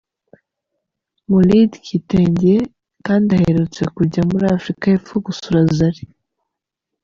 Maulid Kitenge kandi aherutse kujya muri Afurika y’Epfo gusura Zari.